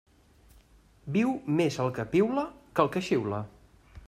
Viu més el que piula que el que xiula.